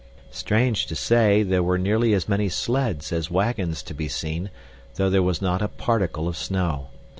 Strange to say, there were nearly as many sleds as wagons to be seen, though there was not a particle of snow.